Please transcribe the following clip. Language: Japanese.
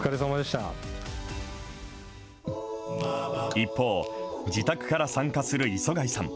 一方、自宅から参加する磯貝さん。